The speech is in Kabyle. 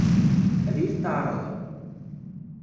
Ad iyi-t-teɛṛeḍ?